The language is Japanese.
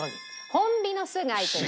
ホンビノス貝という。